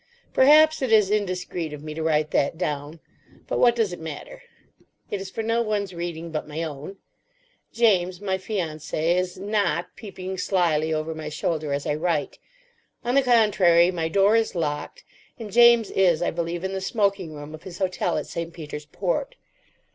Perhaps it is indiscreet of me to write that down. But what does it matter? It is for no one's reading but my own. James, my fiancé, is not peeping slyly over my shoulder as I write. On the contrary, my door is locked, and James is, I believe, in the smoking room of his hotel at St. Peter's Port.